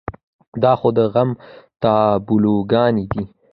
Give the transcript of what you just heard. دا خو د غم تابلوګانې دي.